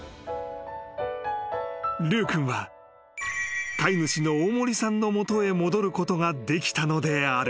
［ルー君は飼い主の大森さんの元へ戻ることができたのである］